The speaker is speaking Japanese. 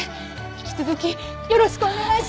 引き続きよろしくお願いします！